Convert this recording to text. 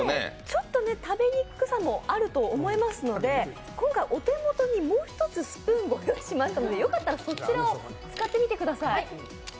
ちょっと食べにくさもあると思いますので、もう一つ、スプーンご用意しましたのでよかったらそちらを使ってみてください。